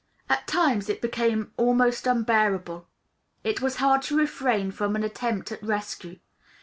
At times it became almost unbearable: it was hard to refrain from an attempt at rescue.